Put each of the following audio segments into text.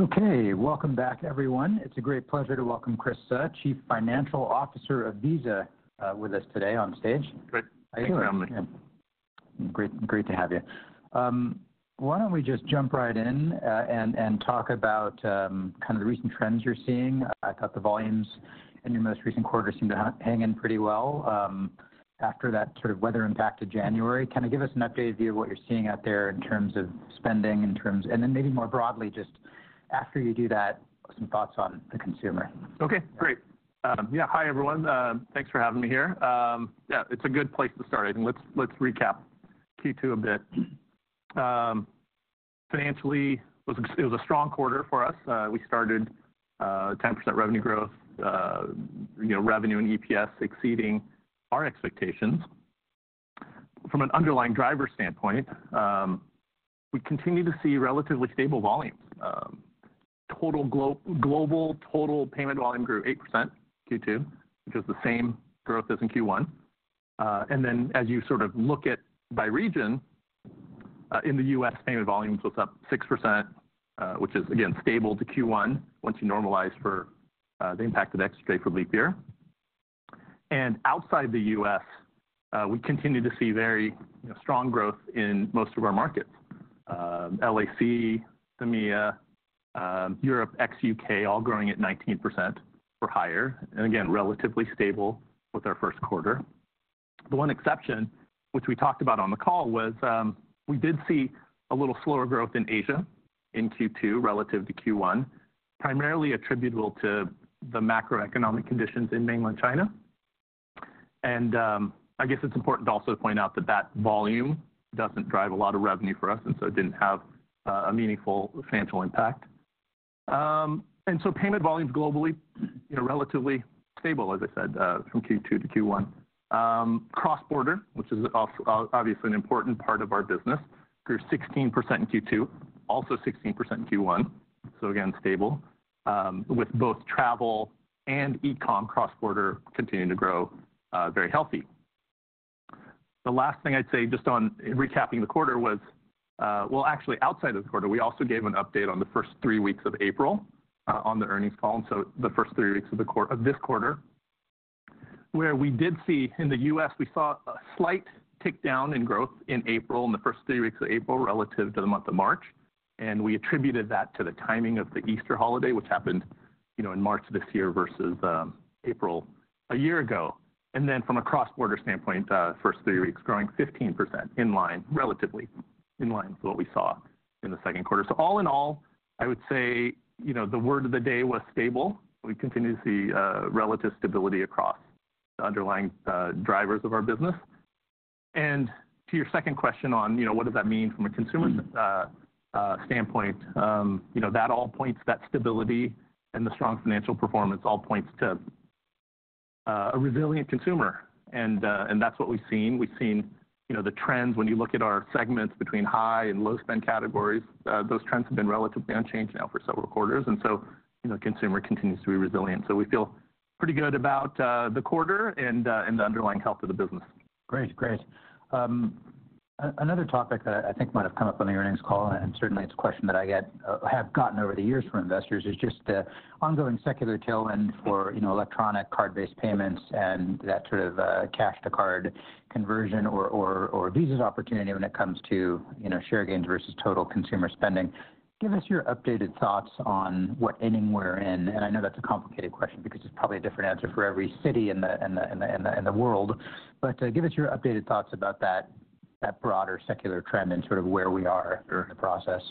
Okay, welcome back, everyone. It's a great pleasure to welcome Chris Suh, Chief Financial Officer of Visa, with us today on stage. Great. Thanks for having me. Great, great to have you. Why don't we just jump right in, and talk about kind of the recent trends you're seeing? I thought the volumes in your most recent quarter seemed to hang in pretty well, after that sort of weather impact to January. Kind of give us an updated view of what you're seeing out there in terms of spending. And then maybe more broadly, just after you do that, some thoughts on the consumer. Okay, great. Yeah, hi, everyone. Thanks for having me here. Yeah, it's a good place to start. I think let's recap Q2 a bit. Financially, it was a strong quarter for us. We started 10% revenue growth, you know, revenue and EPS exceeding our expectations. From an underlying driver standpoint, we continue to see relatively stable volumes. Total global payment volume grew 8% in Q2, which is the same growth as in Q1. And then as you sort of look at by region, in the U.S., payment volumes was up 6%, which is, again, stable to Q1, once you normalize for the impact of the extra day for leap year. And outside the U.S., we continue to see very, you know, strong growth in most of our markets. LAC, EMEA, Europe ex-U.K., all growing at 19% or higher, and again, relatively stable with our first quarter. The one exception, which we talked about on the call, was, we did see a little slower growth in Asia in Q2 relative to Q1, primarily attributable to the macroeconomic conditions in Mainland China. And, I guess it's important to also point out that that volume doesn't drive a lot of revenue for us, and so it didn't have, a meaningful financial impact. And so payment volumes globally, you know, relatively stable, as I said, from Q2 to Q1. Cross-border, which is also obviously an important part of our business, grew 16% in Q2, also 16% in Q1. So again, stable, with both travel and e-com cross-border continuing to grow, very healthy. The last thing I'd say, just on recapping the quarter, was, well, actually, outside of the quarter, we also gave an update on the first three weeks of April, on the earnings call, and so the first three weeks of this quarter, where we did see, in the U.S., we saw a slight tick down in growth in April, in the first three weeks of April, relative to the month of March. And we attributed that to the timing of the Easter holiday, which happened, you know, in March this year versus, April a year ago. And then from a cross-border standpoint, first three weeks growing 15% in line, relatively in line with what we saw in the second quarter. So all in all, I would say, you know, the word of the day was stable. We continue to see relative stability across the underlying drivers of our business. To your second question on, you know, what does that mean from a consumer standpoint, you know, that all points to that stability and the strong financial performance all points to a resilient consumer. And that's what we've seen. We've seen, you know, the trends when you look at our segments between high and low spend categories, those trends have been relatively unchanged now for several quarters, and so, you know, consumer continues to be resilient. So we feel pretty good about the quarter and the underlying health of the business. Great. Great. Another topic that I think might have come up on the earnings call, and certainly it's a question that I get, have gotten over the years from investors, is just the ongoing secular tailwind for, you know, electronic card-based payments and that sort of, cash to card conversion or Visa's opportunity when it comes to, you know, share gains versus total consumer spending. Give us your updated thoughts on what inning we're in. And I know that's a complicated question because it's probably a different answer for every city in the world. But, give us your updated thoughts about that, that broader secular trend and sort of where we are during the process.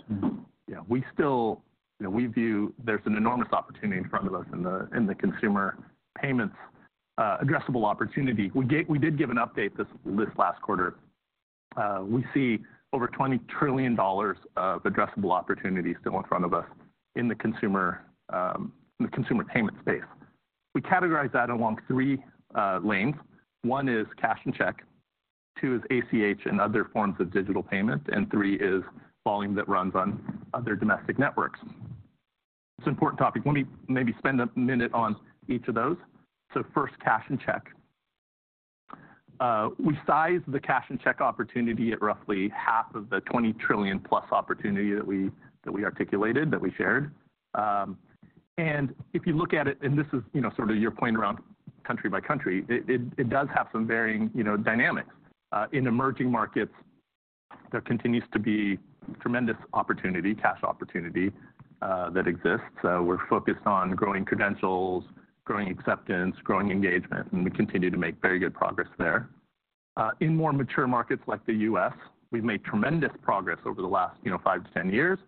Yeah, we still... You know, we view there's an enormous opportunity in front of us in the, in the consumer payments, addressable opportunity. We gave, we did give an update this, this last quarter. We see over $20 trillion of addressable opportunity still in front of us in the consumer, in the consumer payment space. We categorize that along three lanes. One is cash and check, two is ACH and other forms of digital payment, and three is volume that runs on other domestic networks. It's an important topic. Let me maybe spend a minute on each of those. So first, cash and check. We size the cash and check opportunity at roughly half of the $20 trillion+ opportunity that we, that we articulated, that we shared. And if you look at it, and this is, you know, sort of your point around country by country, it does have some varying, you know, dynamics. In emerging markets, there continues to be tremendous opportunity, cash opportunity, that exists. We're focused on growing credentials, growing acceptance, growing engagement, and we continue to make very good progress there. In more mature markets like the U.S., we've made tremendous progress over the last, you know, five to 10 years.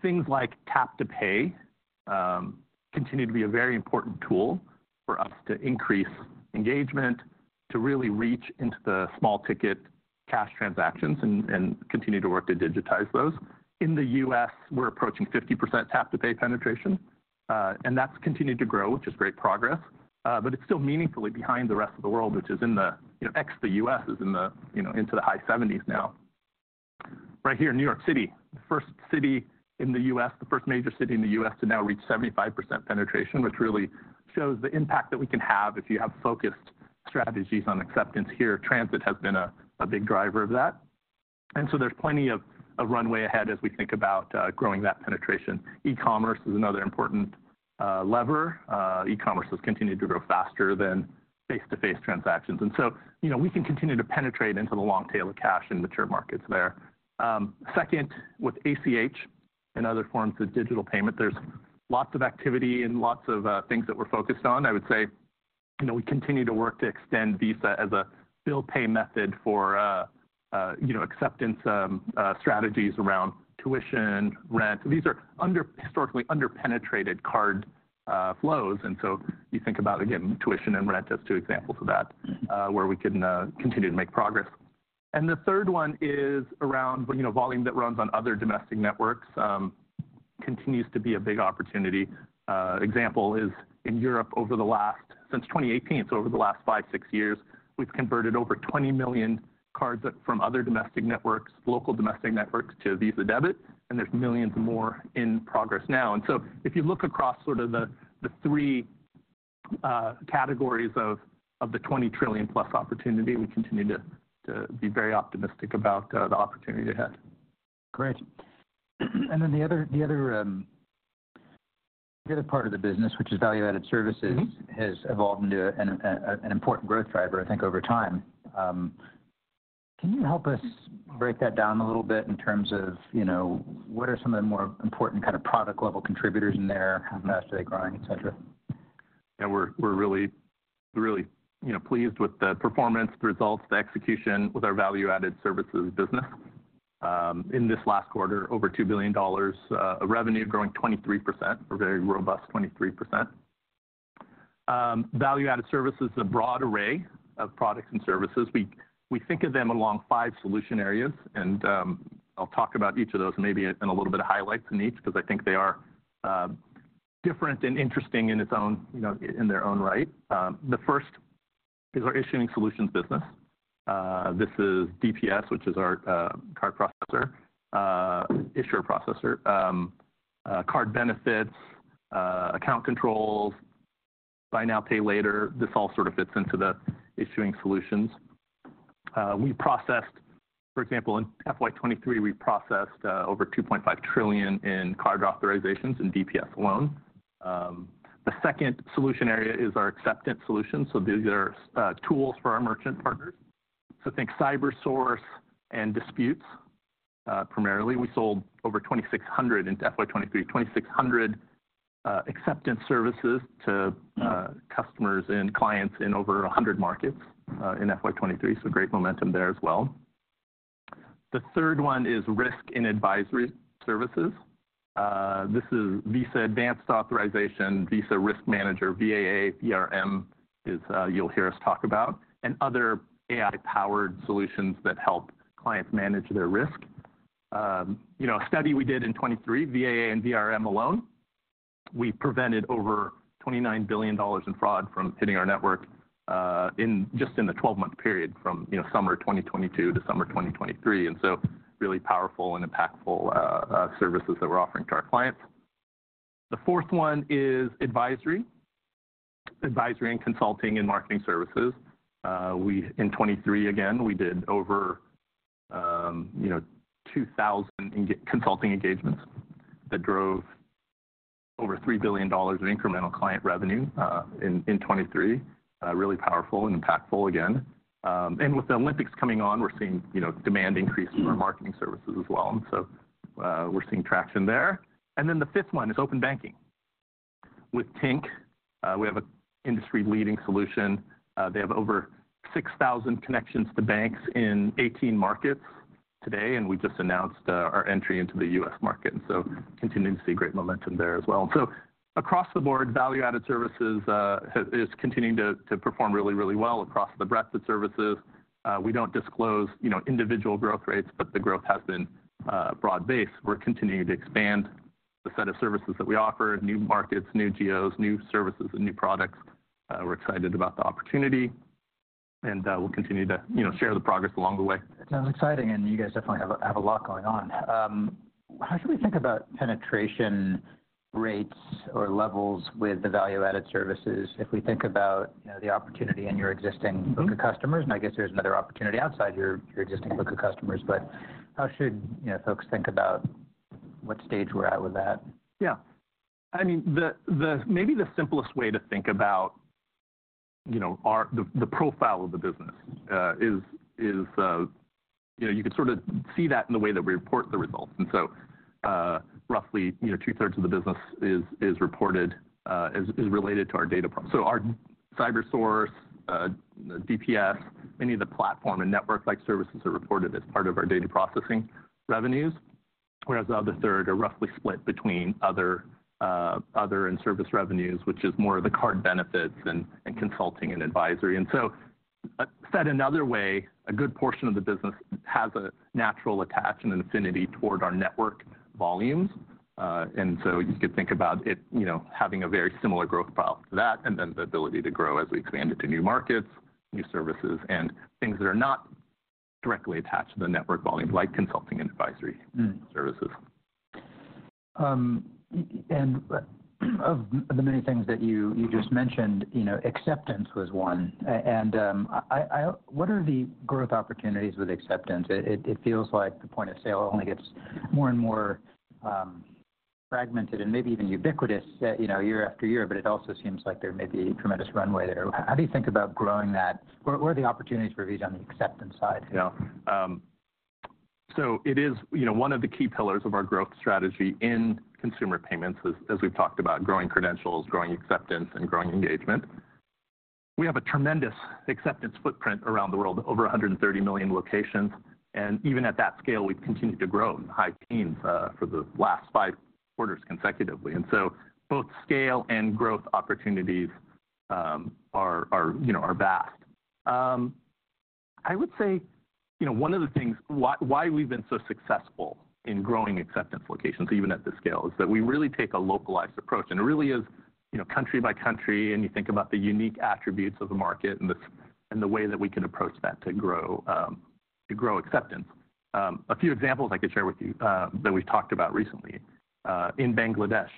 Things like Tap to Pay continue to be a very important tool for us to increase engagement, to really reach into the small ticket cash transactions and continue to work to digitize those. In the U.S., we're approaching 50% Tap to Pay penetration, and that's continued to grow, which is great progress, but it's still meaningfully behind the rest of the world, which is, you know, ex the U.S., into the high 70s now. Right here in New York City, the first city in the U.S., the first major city in the U.S., to now reach 75% penetration, which really shows the impact that we can have if you have focused strategies on acceptance here, transit has been a big driver of that. So there's plenty of runway ahead as we think about growing that penetration. E-commerce is another important lever. E-commerce has continued to grow faster than face-to-face transactions. So, you know, we can continue to penetrate into the long tail of cash in mature markets there. Second, with ACH and other forms of digital payment, there's lots of activity and lots of things that we're focused on. I would say, you know, we continue to work to extend Visa as a bill pay method for, you know, acceptance strategies around tuition, rent. These are historically underpenetrated card flows, and so you think about, again, tuition and rent as two examples of that, where we can continue to make progress. And the third one is around, you know, volume that runs on other domestic networks, continues to be a big opportunity. Example is in Europe, over the last—since 2018, so over the last five to six years, we've converted over 20 million cards from other domestic networks, local domestic networks, to Visa Debit, and there's millions more in progress now. And so if you look across sort of the three categories of the $20 trillion+ opportunity, we continue to be very optimistic about the opportunity ahead. Great. And then the other part of the business, which is value-added services has evolved into an important growth driver, I think, over time. Can you help us break that down a little bit in terms of, you know, what are some of the more important kind of product level contributors in there? How fast are they growing, et cetera? Yeah, we're, we're really, really, you know, pleased with the performance, the results, the execution with our value-added services business. In this last quarter, over $2 billion of revenue growing 23%. A very robust 23%. Value-added services is a broad array of products and services. We, we think of them along five solution areas, and I'll talk about each of those, maybe in a little bit of highlights in each, because I think they are different and interesting in its own, you know, in their own right. The first is our issuing solutions business. This is DPS, which is our card processor, issuer processor, card benefits, account controls, buy now, pay later. This all sort of fits into the issuing solutions. We processed, for example, in FY 2023, we processed over $2.5 trillion in card authorizations in DPS alone. The second solution area is our acceptance solution. So these are tools for our merchant partners. So think Cybersource and disputes primarily. We sold over 2,600 in FY 2023, 2,600 acceptance services to customers and clients in over 100 markets in FY 2023, so great momentum there as well. The third one is risk and advisory services. This is Visa Advanced Authorization, Visa Risk Manager, VAA, VRM is, you'll hear us talk about, and other AI-powered solutions that help clients manage their risk. You know, a study we did in 2023, VAA and VRM alone, we prevented over $29 billion in fraud from hitting our network, in just in the 12-month period from, you know, summer 2022 to summer 2023. And so really powerful and impactful, services that we're offering to our clients. The fourth one is advisory, advisory and consulting and marketing services. We, in 2023, again, we did over, you know, 2,000 consulting engagements that drove over $3 billion of incremental client revenue, in 2023. Really powerful and impactful again. And with the Olympics coming on, we're seeing, you know, demand increase in our marketing services as well. And so, we're seeing traction there. And then the fifth one is open banking. With Tink, we have an industry-leading solution. They have over 6,000 connections to banks in 18 markets today, and we just announced our entry into the U.S. market, and so continuing to see great momentum there as well. So across the board, value-added services is continuing to perform really, really well across the breadth of services. We don't disclose, you know, individual growth rates, but the growth has been broad-based. We're continuing to expand the set of services that we offer, new markets, new geos, new services, and new products. We're excited about the opportunity, and we'll continue to, you know, share the progress along the way. Sounds exciting, and you guys definitely have a lot going on. How should we think about penetration rates or levels with the value-added services if we think about, you know, the opportunity in your existing book of customers? And I guess there's another opportunity outside your existing book of customers, but how should, you know, folks think about what stage we're at with that? Yeah. I mean, maybe the simplest way to think about, you know, the profile of the business, you know, you can sort of see that in the way that we report the results. And so, roughly, you know, two-thirds of the business is reported, is related to our data pro- so our Cybersource, DPS, any of the platform and network-like services are reported as part of our data processing revenues, whereas the other third are roughly split between other and service revenues, which is more of the card benefits and consulting and advisory. And so, said another way, a good portion of the business has a natural attachment and affinity toward our network volumes. And so you could think about it, you know, having a very similar growth profile to that, and then the ability to grow as we expand it to new markets, new services, and things that are not directly attached to the network volume, like consulting and advisory services. And, of the many things that you just mentioned, you know, acceptance was one. And what are the growth opportunities with acceptance? It feels like the point of sale only gets more and more fragmented and maybe even ubiquitous, you know, year after year, but it also seems like there may be tremendous runway there. How do you think about growing that? What are the opportunities for Visa on the acceptance side? Yeah. So it is, you know, one of the key pillars of our growth strategy in consumer payments as, as we've talked about, growing credentials, growing acceptance, and growing engagement. We have a tremendous acceptance footprint around the world, over 130 million locations, and even at that scale, we've continued to grow in high teens for the last five quarters consecutively. And so both scale and growth opportunities are, you know, vast. I would say, you know, one of the things why we've been so successful in growing acceptance locations, even at this scale, is that we really take a localized approach. And it really is, you know, country by country, and you think about the unique attributes of the market and the way that we can approach that to grow to grow acceptance. A few examples I could share with you that we've talked about recently. In Bangladesh,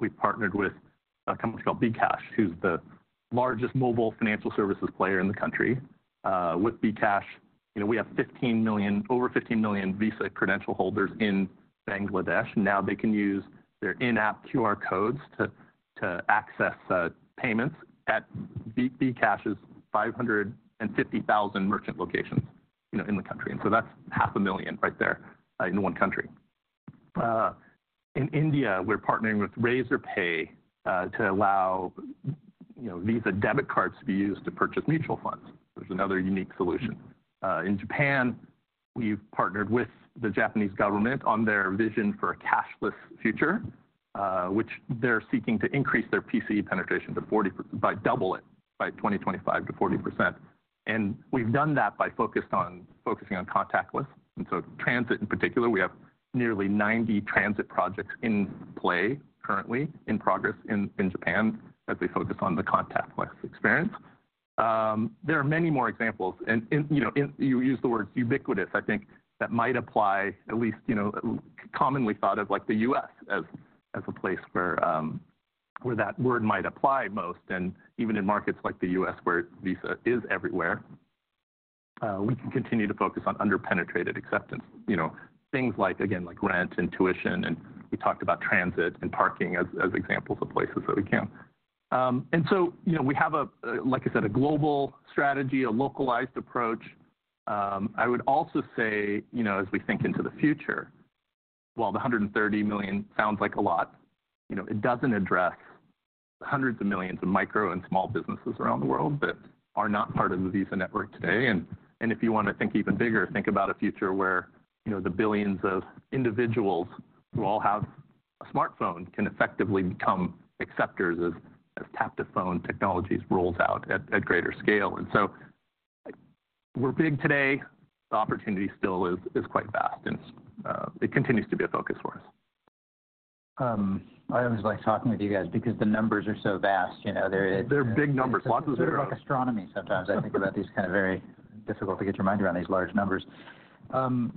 we've partnered with a company called bKash, who's the largest mobile financial services player in the country. With bKash, you know, we have over 15 million Visa credential holders in Bangladesh. Now they can use their in-app QR codes to access payments at bKash's 550,000 merchant locations, you know, in the country. And so that's 500,000 right there in one country. In India, we're partnering with Razorpay to allow, you know, Visa debit cards to be used to purchase mutual funds. There's another unique solution. In Japan, we've partnered with the Japanese government on their vision for a cashless future, which they're seeking to increase their PCE penetration to 40 by double it by 2025 to 40%. And we've done that by focusing on contactless, and so transit in particular, we have nearly 90 transit projects in play currently in progress in Japan, as we focus on the contactless experience. There are many more examples, and you know, and you use the word ubiquitous, I think that might apply at least, you know, commonly thought of like the U.S. as a place where that word might apply most. And even in markets like the U.S., where Visa is everywhere, we can continue to focus on underpenetrated acceptance. You know, things like, again, like rent and tuition, and we talked about transit and parking as examples of places that we can. And so, you know, we have, like I said, a global strategy, a localized approach. I would also say, you know, as we think into the future, while the 130 million sounds like a lot, you know, it doesn't address hundreds of millions of micro and small businesses around the world that are not part of the Visa network today. And if you want to think even bigger, think about a future where, you know, the billions of individuals who all have a smartphone can effectively become acceptors as Tap-to-Phone technologies rolls out at greater scale. And so we're big today. The opportunity still is quite vast, and it continues to be a focus for us. I always like talking with you guys because the numbers are so vast, you know, they're- They're big numbers, lots of zero. Sort of like astronomy sometimes. I think about these kind of very difficult to get your mind around these large numbers. On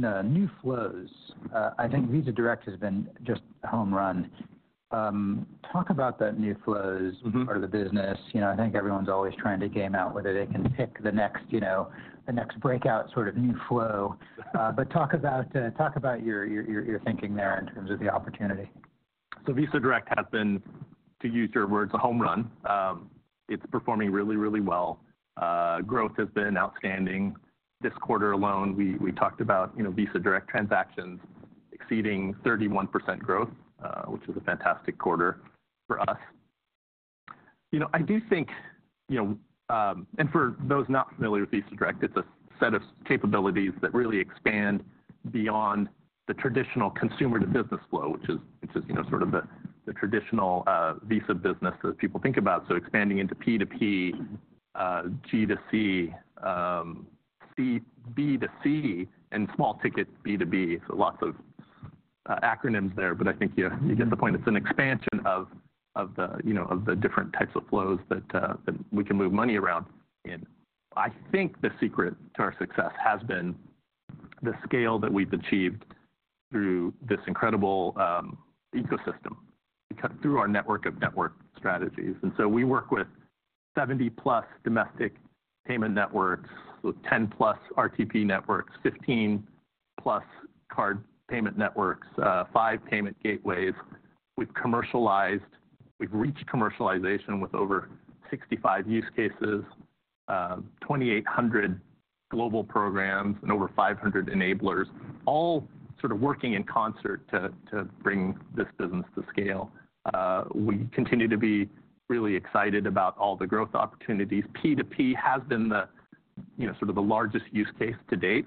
the new flows, I think Visa Direct has been just a home run. Talk about that new flows part of the business. You know, I think everyone's always trying to game out whether they can pick the next, you know, the next breakout sort of new flow. But talk about your thinking there in terms of the opportunity. So Visa Direct has been, to use your words, a home run. It's performing really, really well. Growth has been outstanding. This quarter alone, we talked about, you know, Visa Direct transactions exceeding 31% growth, which is a fantastic quarter for us. You know, I do think, you know, and for those not familiar with Visa Direct, it's a set of capabilities that really expand beyond the traditional consumer-to-business flow, which is, you know, sort of the traditional Visa business that people think about. So expanding into P2P, G2C, B2C, and small ticket B2B. So lots of acronyms there, but I think you you get the point. It's an expansion of the, you know, of the different types of flows that we can move money around in. I think the secret to our success has been the scale that we've achieved through this incredible ecosystem through our network of network strategies. And so we work with 70-plus domestic payment networks, with 10-plus RTP networks, 15-plus card payment networks, five payment gateways. We've reached commercialization with over 65 use cases, 2,800 global programs, and over 500 enablers, all sort of working in concert to bring this business to scale. We continue to be really excited about all the growth opportunities. P2P has been the, you know, sort of the largest use case to date,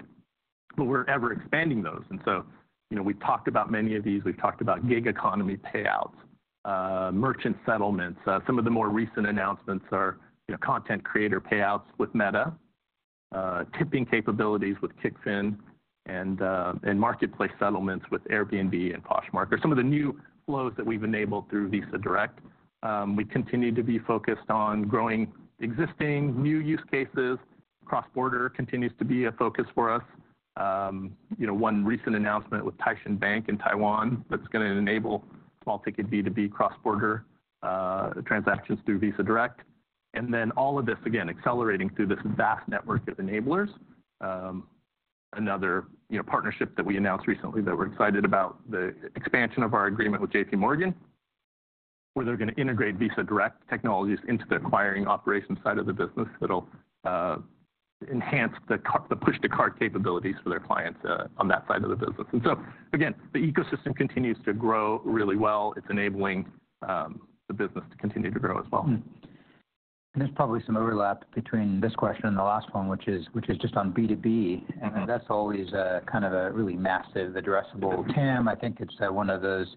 but we're ever expanding those. And so, you know, we've talked about many of these. We've talked about gig economy payouts, merchant settlements. Some of the more recent announcements are, you know, content creator payouts with Meta, tipping capabilities with Kickfin and marketplace settlements with Airbnb and Poshmark are some of the new flows that we've enabled through Visa Direct. We continue to be focused on growing existing new use cases. Cross-border continues to be a focus for us. You know, one recent announcement with Taishin Bank in Taiwan, that's gonna enable small ticket B2B cross-border transactions through Visa Direct. Then all of this, again, accelerating through this vast network of enablers. Another, you know, partnership that we announced recently that we're excited about, the expansion of our agreement with JPMorgan, where they're going to integrate Visa Direct technologies into the acquiring operations side of the business. That'll enhance the push-to-card capabilities for their clients on that side of the business. And so, again, the ecosystem continues to grow really well. It's enabling the business to continue to grow as well. Hmm. There's probably some overlap between this question and the last one, which is just on B2B. That's always a kind of a really massive addressable TAM. I think it's one of those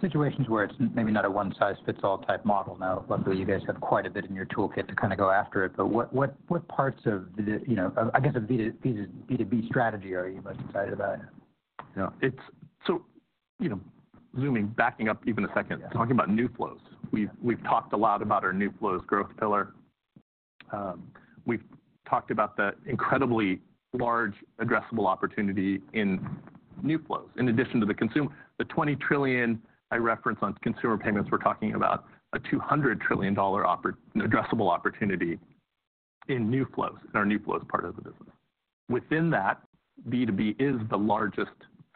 situations where it's maybe not a one-size-fits-all type model. Now, luckily, you guys have quite a bit in your toolkit to kind of go after it. But what, what, what parts of the, you know, I guess, of Visa to B2B strategy are you most excited about? Yeah. It's so, you know, zooming, backing up even a second- Yeah. Talking about new flows. We've talked a lot about our new flows growth pillar. We've talked about the incredibly large addressable opportunity in new flows, in addition to the $20 trillion I referenced on consumer payments, we're talking about a $200 trillion addressable opportunity in new flows, in our new flows part of the business. Within that, B2B is the largest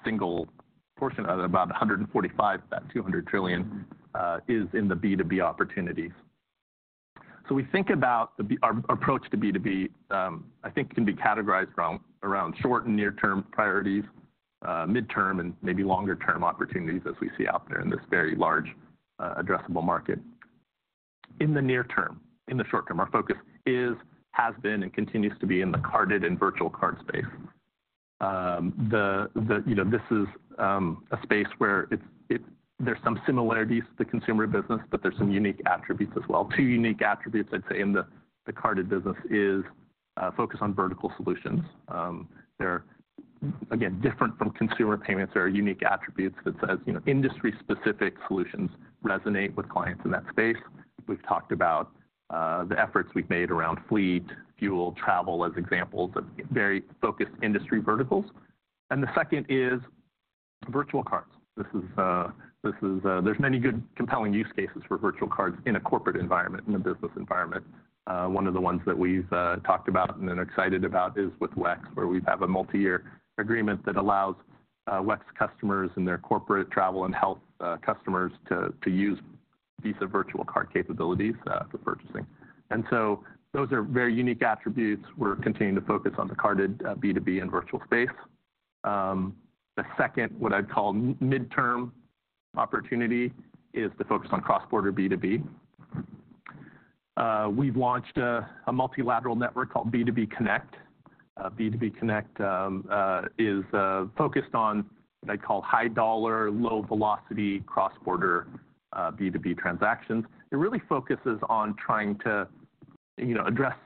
single portion of it, about 145, about $200 trillion, is in the B2B opportunities. So we think about our approach to B2B, I think can be categorized around short and near-term priorities, midterm, and maybe longer-term opportunities as we see out there in this very large addressable market. In the near term, in the short term, our focus is, has been, and continues to be in the carded and virtual card space. You know, this is a space where there's some similarities to the consumer business, but there's some unique attributes as well. Two unique attributes, I'd say, in the carded business is focus on vertical solutions. They're, again, different from consumer payments or unique attributes, but as you know, industry-specific solutions resonate with clients in that space. We've talked about the efforts we've made around fleet, fuel, travel, as examples of very focused industry verticals. The second is virtual cards. There's many good compelling use cases for virtual cards in a corporate environment, in a business environment. One of the ones that we've talked about and are excited about is with WEX, where we have a multi-year agreement that allows WEX customers and their corporate travel and health customers to use Visa virtual card capabilities for purchasing. So those are very unique attributes. We're continuing to focus on the carded B2B and virtual space. The second, what I'd call midterm opportunity, is the focus on cross-border B2B. We've launched a multilateral network called B2B Connect. B2B Connect is focused on what I call high dollar, low velocity, cross-border B2B transactions. It really focuses on trying to, you know, address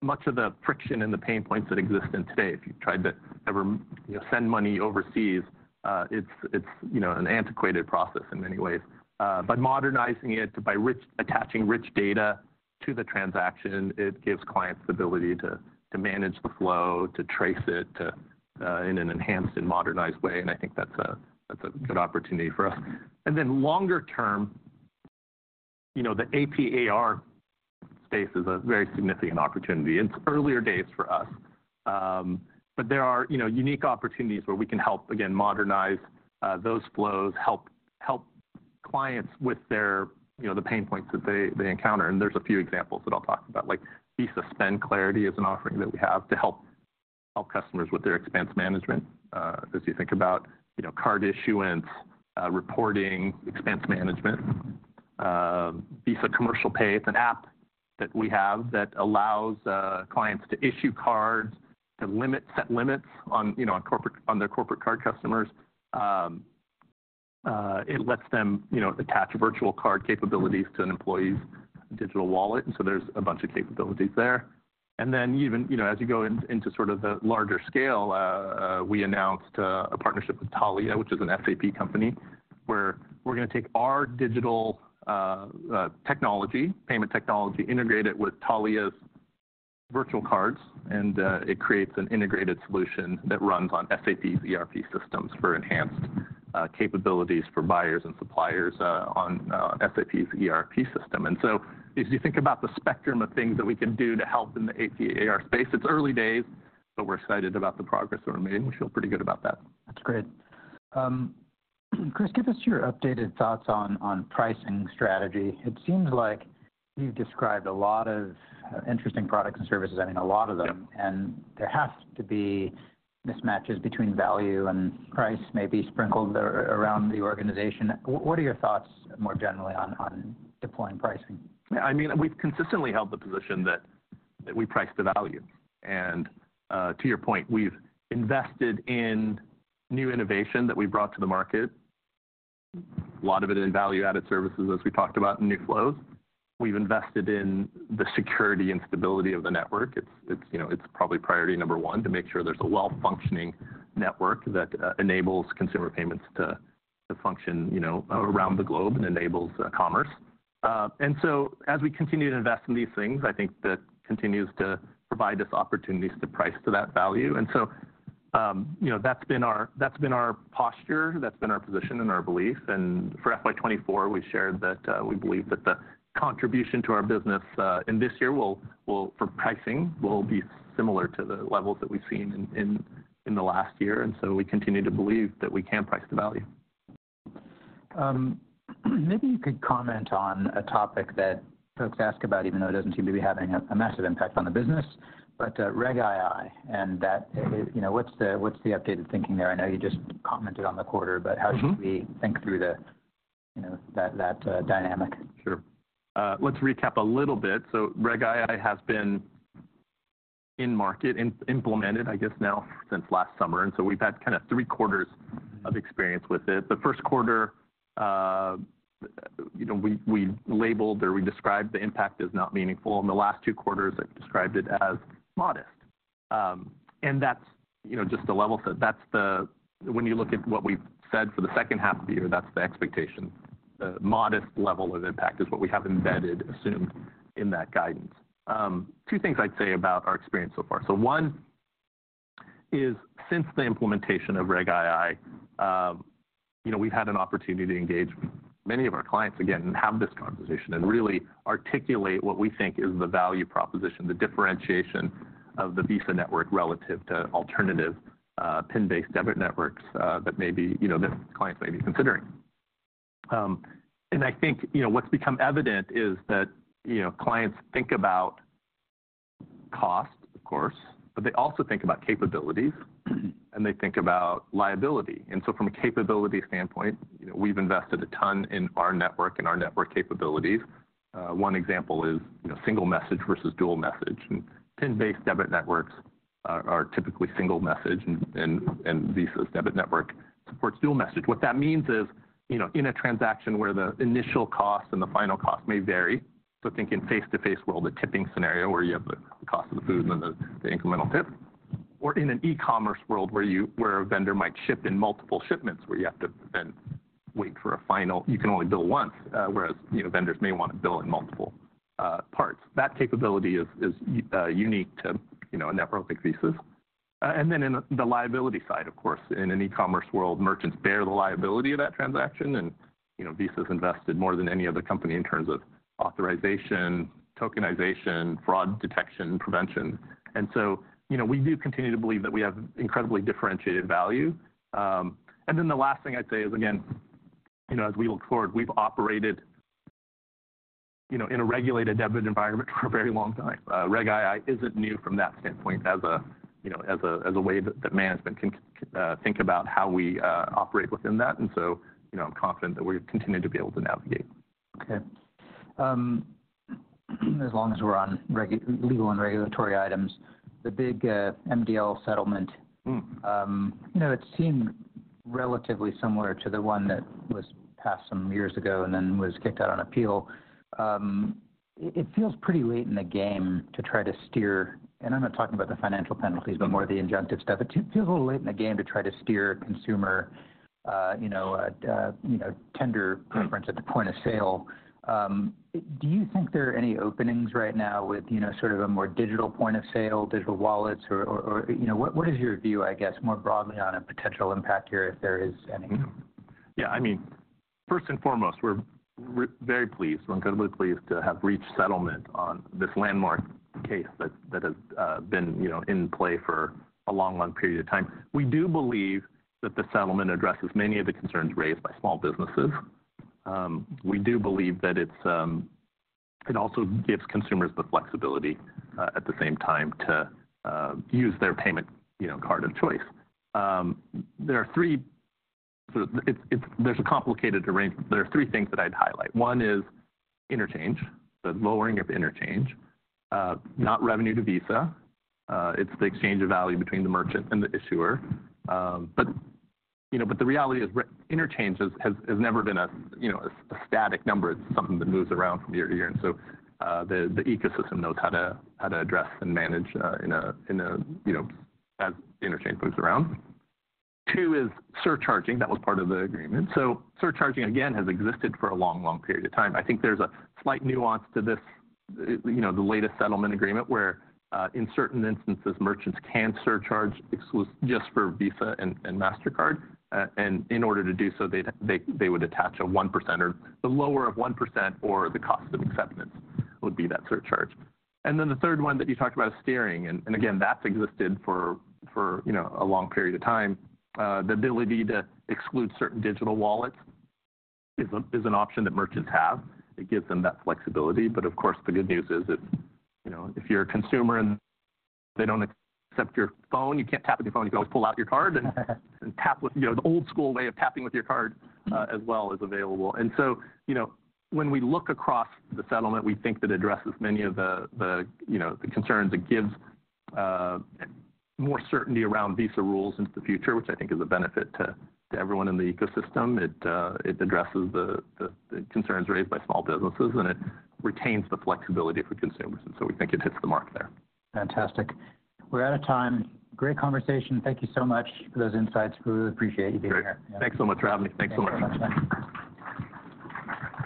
much of the friction and the pain points that exist in today. If you've tried to ever, you know, send money overseas, it's, you know, an antiquated process in many ways. But modernizing it by attaching rich data to the transaction, it gives clients the ability to manage the flow, to trace it to in an enhanced and modernized way, and I think that's a good opportunity for us. And then longer term, you know, the AP/AR space is a very significant opportunity. It's earlier days for us, but there are, you know, unique opportunities where we can help, again, modernize those flows, help clients with their, you know, the pain points that they encounter. And there's a few examples that I'll talk about, like Visa Spend Clarity is an offering that we have to help customers with their expense management. As you think about, you know, card issuance, reporting, expense management. Visa Commercial Pay, it's an app that we have that allows clients to issue cards, to limit, set limits on, you know, on corporate- on their corporate card customers. It lets them, you know, attach virtual card capabilities to an employee's digital wallet, and so there's a bunch of capabilities there. And then even, you know, as you go into sort of the larger scale, we announced a partnership with Taulia, which is an SAP company, where we're going to take our digital technology, payment technology, integrate it with Taulia's virtual cards, and it creates an integrated solution that runs on SAP's ERP systems for enhanced capabilities for buyers and suppliers on SAP's ERP system. So as you think about the spectrum of things that we can do to help in the AP/AR space, it's early days, but we're excited about the progress that we're making. We feel pretty good about that. That's great. Chris, give us your updated thoughts on pricing strategy. It seems like you've described a lot of interesting products and services. I mean, a lot of them. Yep. There has to be mismatches between value and price, maybe sprinkled around the organization. What are your thoughts, more generally, on deploying pricing? Yeah, I mean, we've consistently held the position that we price the value. And to your point, we've invested in new innovation that we brought to the market... a lot of it in value-added services, as we talked about in new flows. We've invested in the security and stability of the network. It's, you know, it's probably priority number one, to make sure there's a well-functioning network that enables consumer payments to function, you know, around the globe and enables commerce. And so as we continue to invest in these things, I think that continues to provide us opportunities to price to that value. And so, you know, that's been our posture, that's been our position and our belief. And for FY 2024, we shared that we believe that the contribution to our business in this year will, for pricing, be similar to the levels that we've seen in the last year. And so we continue to believe that we can price the value. Maybe you could comment on a topic that folks ask about, even though it doesn't seem to be having a massive impact on the business. But Reg II, and that, you know, what's the updated thinking there? I know you just commented on the quarter. But how should we think through the, you know, that dynamic? Sure. Let's recap a little bit. So Reg II has been in market and implemented, I guess, now since last summer, and so we've had kind of three quarters of experience with it. The first quarter, you know, we, we labeled or we described the impact as not meaningful. In the last two quarters, I described it as modest. And that's, you know, just the level set. That's the, when you look at what we've said for the second half of the year, that's the expectation. The modest level of impact is what we have embedded, assumed in that guidance. Two things I'd say about our experience so far. So one is, since the implementation of Reg II, you know, we've had an opportunity to engage many of our clients again and have this conversation, and really articulate what we think is the value proposition, the differentiation of the Visa network relative to alternative, PIN-based debit networks that maybe, you know, that clients may be considering. And I think, you know, what's become evident is that, you know, clients think about cost, of course, but they also think about capabilities, and they think about liability. And so from a capability standpoint, you know, we've invested a ton in our network and our network capabilities. One example is, you know, single message versus dual message, and PIN-based debit networks are typically single message, and Visa's debit network supports dual message. What that means is, you know, in a transaction where the initial cost and the final cost may vary, so think in face-to-face world, the tipping scenario, where you have the cost of the food and then the incremental tip, or in an e-commerce world, where a vendor might ship in multiple shipments, where you have to then wait for a final... You can only bill once, whereas, you know, vendors may want to bill in multiple, parts. That capability is, unique to, you know, a network like Visa's. And then in the liability side, of course, in an e-commerce world, merchants bear the liability of that transaction, and, you know, Visa's invested more than any other company in terms of authorization, tokenization, fraud detection, and prevention. And so, you know, we do continue to believe that we have incredibly differentiated value. And then the last thing I'd say is, again, you know, as we look forward, we've operated, you know, in a regulated debit environment for a very long time. Reg II isn't new from that standpoint, as a way that management can think about how we operate within that. And so, you know, I'm confident that we've continued to be able to navigate. Okay. As long as we're on legal and regulatory items, the big MDL settlement. You know, it seemed relatively similar to the one that was passed some years ago and then was kicked out on appeal. It feels pretty late in the game to try to steer, and I'm not talking about the financial penalties but more the injunctive stuff. It feels a little late in the game to try to steer consumer, you know, you know, tender preference at the point of sale. Do you think there are any openings right now with, you know, sort of a more digital point of sale, digital wallets, or, you know, what is your view, I guess, more broadly, on a potential impact here, if there is any? Yeah, I mean, first and foremost, we're very pleased, we're incredibly pleased to have reached settlement on this landmark case that has, you know, been in play for a long, long period of time. We do believe that the settlement addresses many of the concerns raised by small businesses. We do believe that it's it also gives consumers the flexibility at the same time to use their payment, you know, card of choice. There are three-- there are three things that I'd highlight. One is interchange, the lowering of interchange. Not revenue to Visa, it's the exchange of value between the merchant and the issuer. But, you know, but the reality is, interchange has never been a, you know, a static number, it's something that moves around from year to year. And so, the ecosystem knows how to address and manage, you know, as interchange moves around. Two is surcharging. That was part of the agreement. So surcharging, again, has existed for a long, long period of time. I think there's a slight nuance to this, you know, the latest settlement agreement, where, in certain instances, merchants can surcharge just for Visa and Mastercard. And in order to do so, they'd, they would attach a 1%, or the lower of 1% or the cost of acceptance would be that surcharge. And then the third one that you talked about is steering. And again, that's existed for, for, you know, a long period of time. The ability to exclude certain digital wallets is an option that merchants have. It gives them that flexibility. But of course, the good news is that, you know, if you're a consumer and they don't accept your phone, you can't tap with your phone, you can always pull out your card and tap with... you know, the old school way of tapping with your card, as well, is available. And so, you know, when we look across the settlement, we think it addresses many of the concerns. It gives more certainty around Visa rules into the future, which I think is a benefit to everyone in the ecosystem. It addresses the concerns raised by small businesses, and it retains the flexibility for consumers. And so we think it hits the mark there. Fantastic. We're out of time. Great conversation. Thank you so much for those insights. We really appreciate you being here. Great. Thanks so much for having me. Thanks so much. Thank you very much.